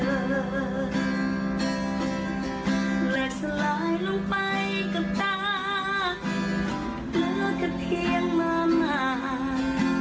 และสลายลงไปกับตาเหลือกระเทียงมาใหม่